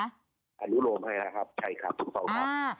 อันดุลงให้ครับใช่ครับถูกฝ่าครับ